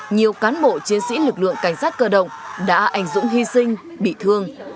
nhiều cán bộ chiến sĩ lực lượng cảnh sát cơ động đã ảnh dũng hy sinh bị thương